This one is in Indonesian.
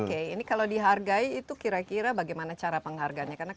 oke ini kalau dihargai itu kira kira bagaimana cara pengharganya